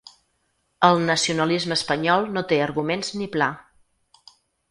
El nacionalisme espanyol no té arguments ni pla.